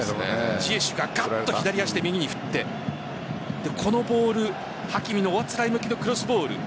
ジエシュが左足で右に振ってこのボール、ハキミのおあつらえ向きのクロスボール。